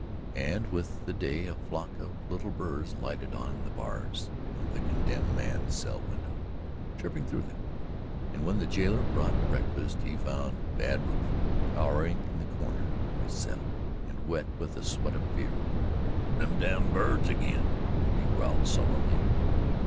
And with the day a flock of little birds lighted on the bars of the condemned man's cell window, chirping through them, and when the jailer brought breakfast he found Bad Rufe cowering in the corner of his cell and wet with the sweat of fear. "Them damn birds ag'in," he growled sullenly.